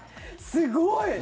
すごい！